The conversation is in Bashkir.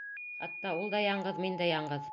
Хатта ул да яңғыҙ, мин дә яңғыҙ...